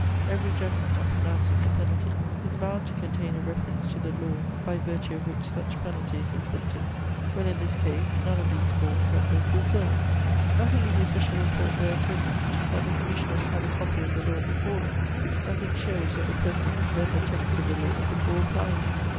"Every judgment that pronounces a penalty is bound to contain a reference to the law by virtue of which such penalty is inflicted. [Sidenote: A scathing indictment.] "Well, in this case, none of these forms has been fulfilled: nothing in the official report bears witness that the commissioners had a copy of the law before them; nothing shows that the president read the text of the law before applying it.